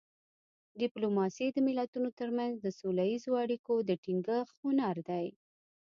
ډیپلوماسي د ملتونو ترمنځ د سوله اییزو اړیکو د ټینګښت هنر دی